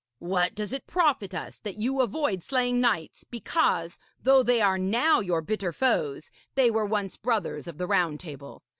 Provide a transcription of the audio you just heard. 'What does it profit us that you avoid slaying knights because, though they are now your bitter foes, they were once brothers of the Round Table?